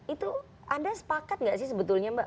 itu ada sepakat nggak sih sebetulnya mbak